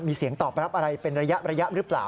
มีเสียงตอบรับอะไรเป็นระยะหรือเปล่า